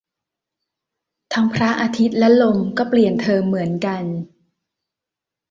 ทั้งพระอาทิตย์และลมก็เปลี่ยนเธอเหมือนกัน